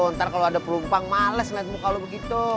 ntar kalau ada perumpang males ngeliat muka lo begitu